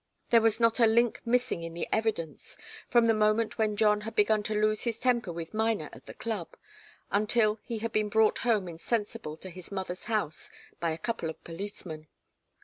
There was not a link missing in the evidence, from the moment when John had begun to lose his temper with Miner at the club, until he had been brought home insensible to his mother's house by a couple of policemen.